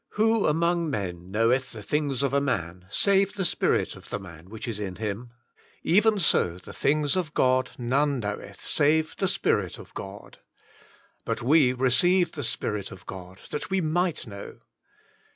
"Who among men knoweth the things of a man, save the spirit of the man, which is in him ? Even so the things of God none knoweth, save the Spirit of God. But we received the Spirit of God, that we might know